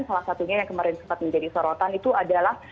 salah satunya yang kemarin sempat menjadi sorotan itu adalah